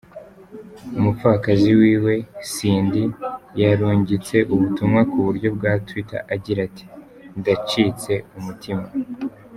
Umupfakazi wiwe, Cindy, yarungitse ubutumwa ku buryo bwa Twitter agira ati: "Ndacitse umutima.